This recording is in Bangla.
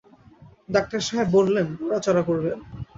ডাক্তার সাহেব বললেন, নড়াচড়া করবেন।